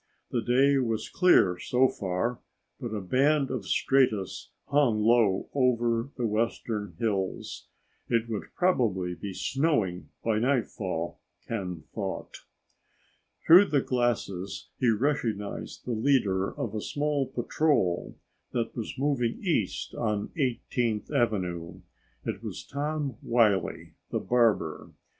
The day was clear so far, but a band of stratus hung low over the western hills. It would probably be snowing by nightfall, Ken thought. Through the glasses he recognized the leader of a small patrol that was moving east on 18th Avenue. It was Tom Wiley, the barber.